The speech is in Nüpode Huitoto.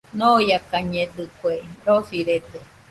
Ñoiakañedɨkue, rosirede.